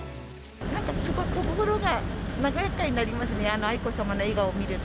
すごく心が和やかになりますね、愛子さまの笑顔を見ると。